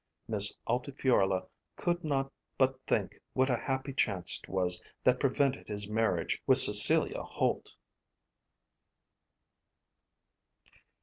Miss Altifiorla could not but think what a happy chance it was that prevented his marriage with Cecilia Holt.